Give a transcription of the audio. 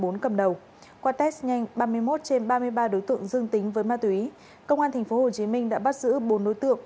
qua test nhanh ba mươi một trên ba mươi ba đối tượng dương tính với ma túy công an tp hcm đã bắt giữ bốn đối tượng